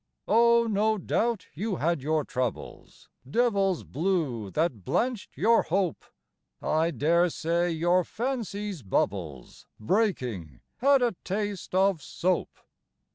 Oh, no doubt you had your troubles, Devils blue that blanched your hope. I dare say your fancy's bubbles, Breaking, had a taste of soap.